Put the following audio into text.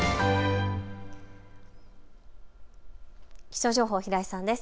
気象情報、平井さんです。